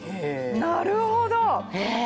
なるほど！